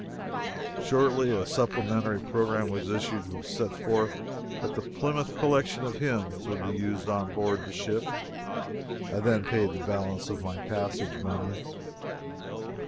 Shortly a supplementary program was issued which set forth that the Plymouth Collection of Hymns would be used on board the ship. I then paid the balance of my passage money.